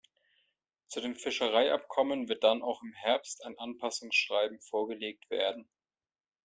Zu dem Fischereiabkommen wird dann auch im Herbst ein Anpassungsschreiben vorgelegt werden.